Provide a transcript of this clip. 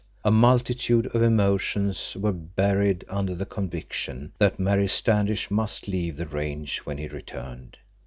A multitude of emotions were buried under the conviction that Mary Standish must leave the range when he returned.